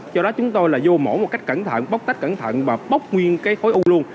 cho đó chúng tôi là vô mổ một cách cẩn thận bóc tách cẩn thận và bóc nguyên khối u luôn